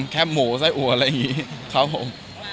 หมูไส้อัวอะไรอย่างนี้ครับผม